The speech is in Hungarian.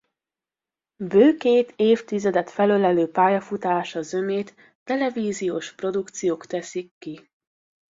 Bő két évtizedet felölelő pályafutása zömét televíziós produkciók teszik ki.